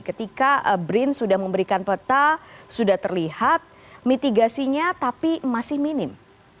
ketika brin sudah memberikan peta sudah terlihat mitigasinya tapi masih minim